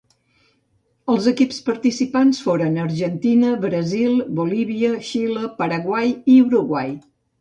Els equips participants foren Argentina, Brasil, Bolívia, Xile, Paraguai, i Uruguai.